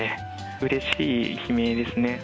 うれしい悲鳴ですね。